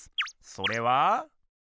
それは。